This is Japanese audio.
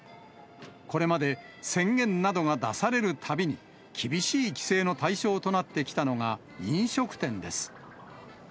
これまで宣言などが出されるたびに、厳しい規制の対象となってきたのが、飲食店です。